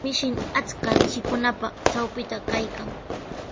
Mishin achka mishikunapa trawpintraw kaykan.